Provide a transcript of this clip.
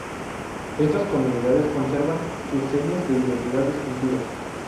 Estas comunidades conservan sus señas de identidad distintivas.